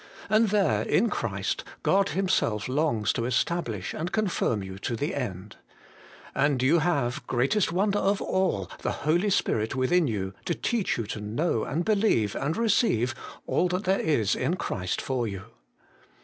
And there, in Christ, God Himself longs to establish and confirm you to the end. And you have, greatest wonder of all, the Holy Spirit within you to teach you to know, and believe, and receive, all that there is in Christ for you.